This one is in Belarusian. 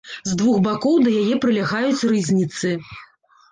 З двух бакоў да яе прылягаюць рызніцы.